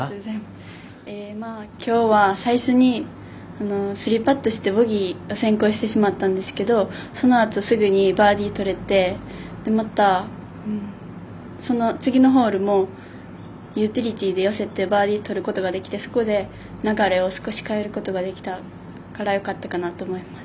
きょうは、最初に３パットしてボギーが先行してしまったんですけどそのあとすぐにバーディーとれてまた、その次のホールもユーティリティーで寄せてバーディーとることができてそこで、流れを少し変えることができたのでよかったかなと思います。